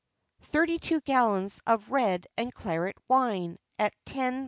Thirty two Gallones of Redde and Clarett Wyne, at 10_d.